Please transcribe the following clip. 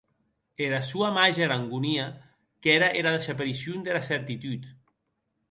Era sua màger angonia qu’ère era desaparicion dera certitud.